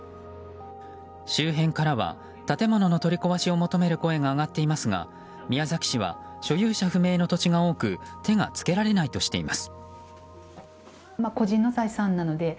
周辺からは建物の取り壊しを求める声が上がっていますが宮崎市は所有者不明の土地が多く手が付けられないとしています。